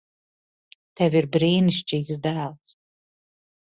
Tev ir brīnišķīgs dēls.